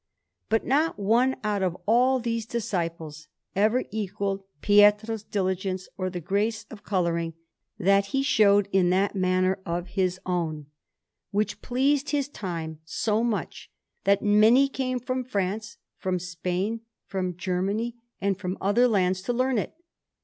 But not one out of all these disciples ever equalled Pietro's diligence, or the grace of colouring that he showed in that manner of his own, which pleased his time so much, that many came from France, from Spain, from Germany, and from other lands, to learn it.